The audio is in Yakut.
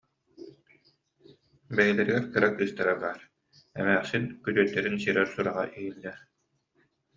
Бэйэлэригэр кыра кыыстара баар, эмээхсин күтүөттэрин сирэр сураҕа иһиллэр